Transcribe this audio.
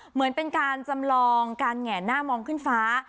เหมือนเป็นการจำลองการแหงหน้ามองขึ้นฟ้า